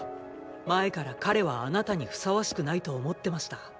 前から彼はあなたにふさわしくないと思ってました。